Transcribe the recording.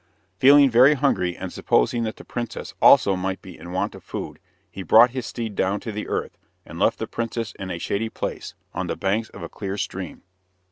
Feeling very hungry, and supposing that the princess also might be in want of food, he brought his steed down to the earth, and left the princess in a shady place, on the banks of a clear stream.